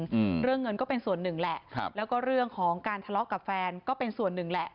อืมเรื่องเงินก็เป็นส่วนหนึ่งแหละครับแล้วก็เรื่องของการทะเลาะกับแฟนก็เป็นส่วนหนึ่งแหละ